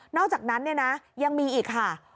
นอกจากนั้นยังมีอีกค่ะ